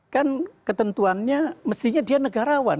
kan ketentuannya mestinya dia negarawan